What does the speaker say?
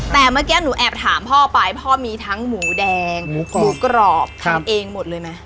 แต่เมื่อกี้หนูแอบถามพ่อไปพ่อมีทั้งหมูแดงหมูกรอบหมูกรอบทำเองหมดเลยไหม